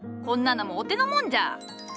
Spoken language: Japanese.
こんなのもお手のもんじゃ！